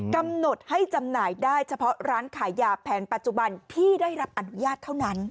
กำหนดให้จำหน่ายได้เฉพาะร้านขายยาแผนปัจจุบันที่ได้รับอนุญาตเท่านั้น